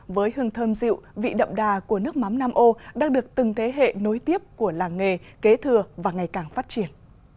với hương thơm dịu vị đậm đà của nước mắm nam ô đang được từng thế hệ nối tiếp của làng nghề kế thừa và ngày càng phát triển